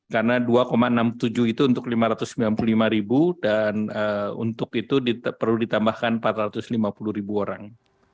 karena dua enam puluh tujuh itu untuk lima ratus sembilan puluh lima ribu dan untuk itu perlu ditambahkan empat ratus lima puluh ribu orang